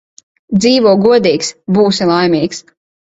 Dzīvo godīgs – būsi laimīgs